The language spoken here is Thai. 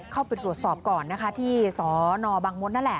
เข้าไปตรวจสอบก่อนนะคะที่สนบังมดนั่นแหละ